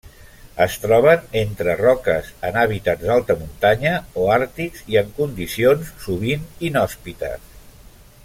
Es troben entre roques en hàbitats d'alta muntanya o àrtics i en condicions sovint inhòspites.